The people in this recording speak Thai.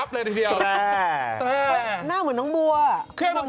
พี่หนุ่มก็รู้จัก